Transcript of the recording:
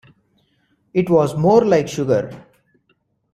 It was more like sugar.